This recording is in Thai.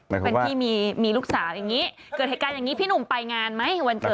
เป็นพี่มีลูกสาวอย่างนี้เกิดเหตุการณ์อย่างนี้พี่หนุ่มไปงานไหมวันเจอ